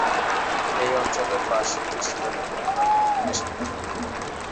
এই অঞ্চলের বার্ষিক বৃষ্টিপাতের পরিমান খুব বেশি থাকে।